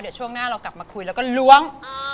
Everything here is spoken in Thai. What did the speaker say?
เดี๋ยวช่วงหน้าเรากลับมาคุยแล้วก็ล้วง